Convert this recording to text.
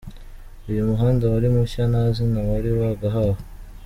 Uyu muhanda wari mushya, nta zina wari wagahawe.